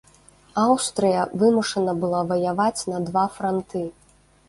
Аўстрыя вымушана была ваяваць на два франты.